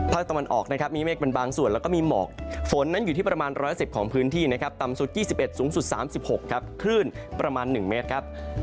ตะวันออกนะครับมีเมฆเป็นบางส่วนแล้วก็มีหมอกฝนนั้นอยู่ที่ประมาณ๑๑๐ของพื้นที่นะครับต่ำสุด๒๑สูงสุด๓๖ครับคลื่นประมาณ๑เมตรครับ